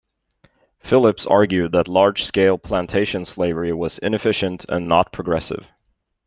Phillips argued that large-scale plantation slavery was inefficient and not progressive.